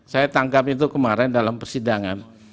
saya tangkap itu kemarin dalam persidangan